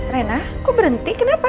rena kok berhenti kenapa